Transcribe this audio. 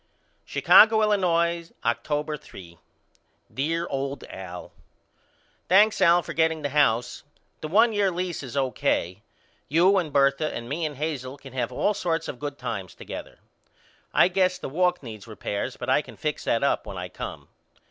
Chicago, Illinois, October, 3. DEAR OLD AL: Thanks Al for getting the house. The one year lease is O.K. You and Bertha and me and Hazel can have all sorts of good times together. I guess the walk needs repairs but I can fix that up when I come.